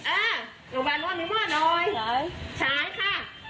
อ่าโรงบาลน้องมีมอตรอดไงใช่ค่ะ